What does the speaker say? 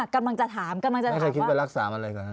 กำลังจะถามไม่เคยคิดไปรักษามันอะไรก่อน